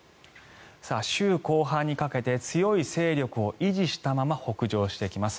週後半にかけて強い勢力を維持したまま北上してきます。